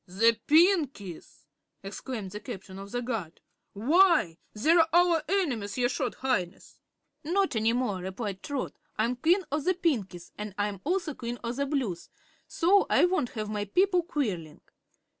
"The Pinkies!" exclaimed the Captain of the Guards; "why, they're our enemies, your Short Highness." "Not any more," replied Trot. "I'm Queen of the Pinkies, an' I'm also Queen of the Blues, so I won't have my people quarreling.